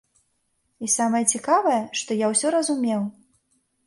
І самае цікавае, што я ўсё разумеў.